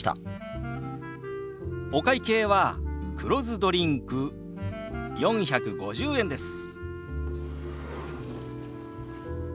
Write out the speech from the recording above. お会計は黒酢ドリンク４５０円です。